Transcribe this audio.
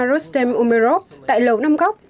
rostam umerov tại lầu năm góc